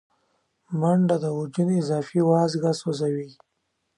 منډه د وجود اضافي وازګه سوځوي